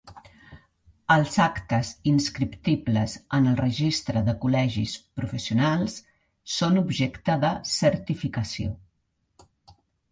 Els actes inscriptibles en el Registre de col·legis professionals són objecte de certificació.